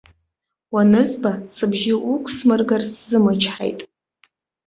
Уанызба, сыбжьы уқәсмыргар сзымычҳаит.